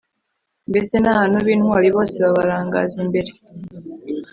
mbese abantu b'intwari bose babarangaza imbere